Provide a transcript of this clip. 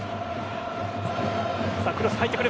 クロス入ってくる。